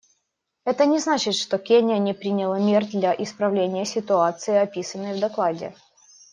Это не значит, что Кения не приняла мер для исправления ситуации, описанной в докладе.